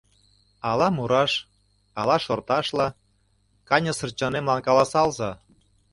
Ала мураш, ала шорташ-ла, Каньысыр чонемлан каласалза.